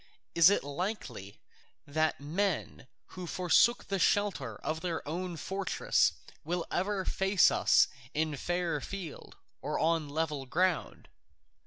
Is it likely that men who forsook the shelter of their own fortress will ever face us in fair field on level ground?